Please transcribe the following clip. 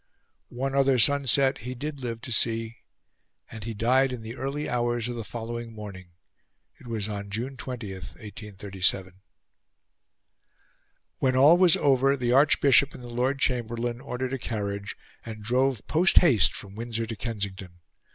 One other sunset he did live to see; and he died in the early hours of the following morning. It was on June 20, 1837. When all was over, the Archbishop and the Lord Chamberlain ordered a carriage, and drove post haste from Windsor to Kensington.